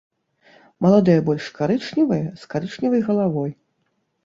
Маладыя больш карычневыя, з карычневай галавой.